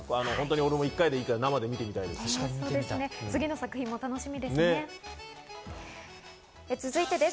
俺も１回でいいから見てみたいと思います。